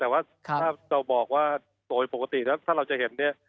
แต่ว่าถ้าเราบอกว่าโดยปกติแล้วถ้าเราจะเห็นเนี่ย